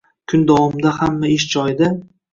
Kun davomida hamma ish joyida